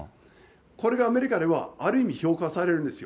これがアメリカでは、ある意味、評価されるんですよ。